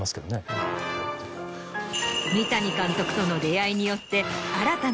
三谷監督との出会いによって。